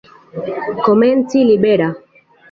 Komenci libera.